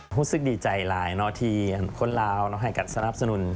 ห่วงฮามเต้าคอยตัวเจ้าเผามากกัน